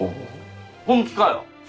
本気かよ？